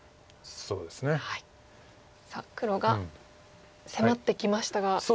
さあ黒が迫ってきましたが。